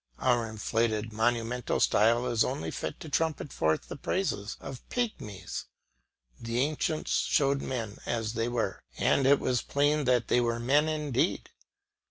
Our inflated monumental style is only fit to trumpet forth the praises of pygmies. The ancients showed men as they were, and it was plain that they were men indeed.